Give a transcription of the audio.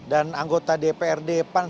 dan anggota dprd pan